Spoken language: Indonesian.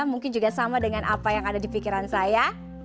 mungkin juga sama dengan apa yang ada di pikiran saya